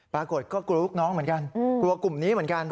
ปรากฏก็กลัวลูกน้องเหมือนกันกลัวกลุ่มนี้เหมือนกัน